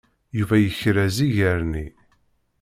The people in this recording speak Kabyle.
Yuba yekrez iger-nni.